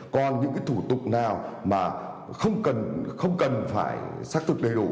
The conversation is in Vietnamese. còn những cái thủ tục nào mà không cần phải xác thực đầy đủ